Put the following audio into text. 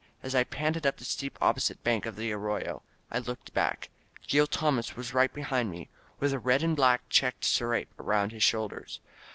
As I panted up the steep opposite bank of the arroyo, I looked back. Gil Tomas was right be hind me, with a red and black checked serape round his shoulders.